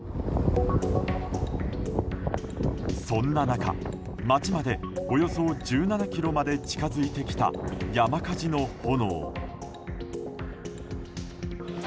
そんな中街までおよそ１７ｋｍまで近づいてきた山火事の炎。